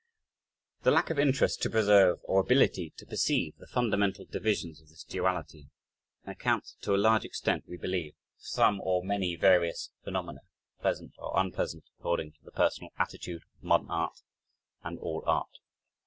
4 The lack of interest to preserve, or ability to perceive the fundamental divisions of this duality accounts to a large extent, we believe, for some or many various phenomena (pleasant or unpleasant according to the personal attitude) of modern art, and all art.